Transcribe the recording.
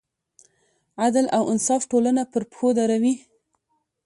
عدل او انصاف ټولنه پر پښو دروي.